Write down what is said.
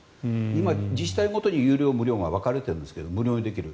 今、自治体ごとに有料、無料が分かれてるんですけど無料にできる。